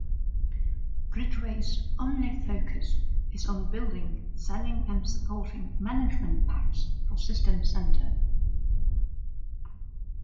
BridgeWays' only focus is on building, selling and supporting Management Packs for System Center.